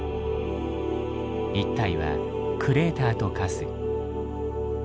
一帯はクレーターと化す。